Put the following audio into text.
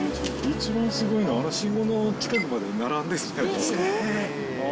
一番すごいのは、あの信号の近くまで並んでるんですよ。